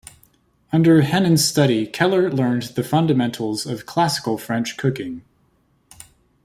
Under Henin's study, Keller learned the fundamentals of classical French cooking.